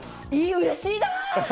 うれしいなあ！